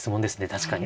確かに。